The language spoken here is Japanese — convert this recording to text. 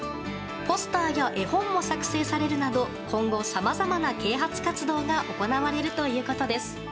ポスターや絵本も作成されるなど今後、さまざまな啓発活動が行われるということです。